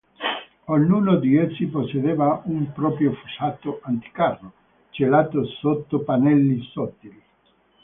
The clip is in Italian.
Ognuno di essi possedeva un proprio fossato anticarro, celato sotto pannelli sottili.